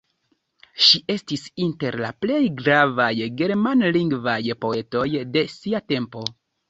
Ŝi estis inter la plej gravaj germanlingvaj poetoj de sia tempo.